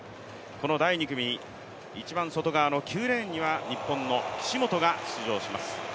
この第２組、一番外側の９レーンには日本の岸本が出場します。